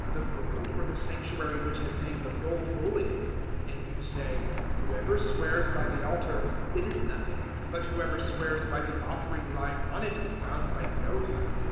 the gold, or the Sanctuary which has made the gold holy? 023:018 And you say, "`Whoever swears by the altar, it is nothing; but whoever swears by the offering lying on it is bound by the oath.'